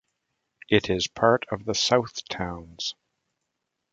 It is part of the Southtowns.